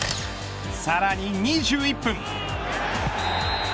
さらに２１分。